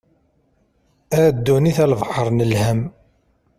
A ddunit a lebḥer n lhem.